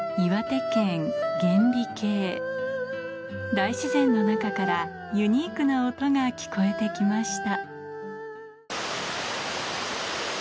大自然の中からユニークな音が聞こえてきました